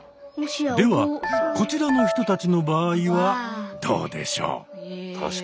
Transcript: ではこちらの人たちの場合はどうでしょう？